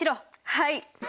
はい！